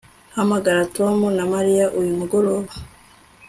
Hamagara Tom na Mariya uyu mugoroba